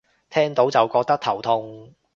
聽到就覺得頭痛